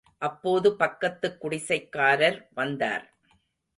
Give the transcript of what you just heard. அப்போது பக்கத்துக் குடிசைக்காரர் வந்தார்.